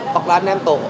hoặc là anh em tổ